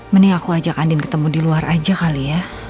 mending aku ajak andin ketemu di luar aja kali ya